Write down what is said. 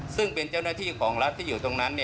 ซึ่งเป็นเจ้าหน้าที่ของรัฐที่อยู่ตรงนั้น